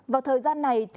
vào thời gian này